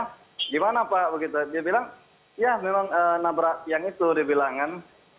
gimana pak begitu dia bilang ya memang nabrak yang itu dia bilang kan